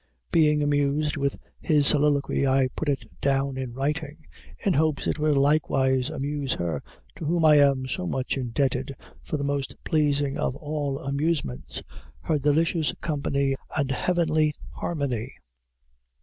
Being amused with his soliloquy, I put it down in writing, in hopes it will likewise amuse her to whom I am so much indebted for the most pleasing of all amusements, her delicious company and heavenly harmony.